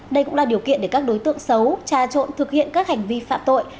đây cũng là điều kiện để các đối tượng xấu trà trộn thực hiện các hành vi phạm tội